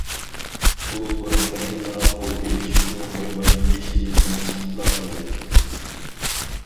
ئۇ بۇرۇنقىدەكلا قول ئېلىشىپمۇ قويماي، بېشىنى لىڭشىتىپلا قويدى.